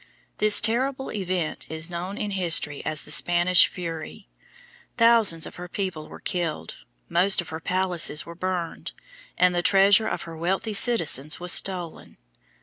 This terrible event is known in history as The Spanish Fury. Thousands of her people were killed, most of her palaces were burned, and the treasure of her wealthy citizens was stolen.